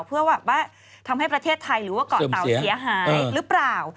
เพื่อแบบว่าทำให้ประเทศไทยหรือว่าเกาะเตาเสียหายหรือเปล่า